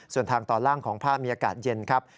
ส่วนทางตอนล่างของภาพมีอากาศเย็นครับ